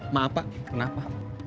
maaf pak kenapa